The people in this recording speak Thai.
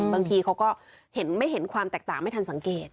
บางทีเขาก็เห็นไม่เห็นความแตกต่างไม่ทันสังเกต